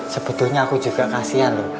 sebetulnya aku juga kasian loh